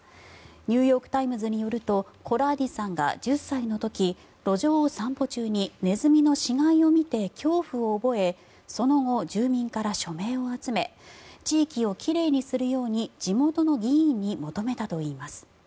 ニューヨーク・タイムズによるとコラーディさんが１０歳の時路上を散歩中にネズミの死骸を見て恐怖を覚え、その後住民から署名を集め地域を奇麗にするように地元の議員に求めたといいます。